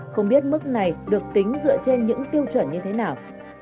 không biết mức này được tính dựa trên những tiêu chuẩn như thế nào